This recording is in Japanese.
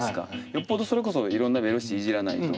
よっぽどそれこそいろんなベロシティいじらないと。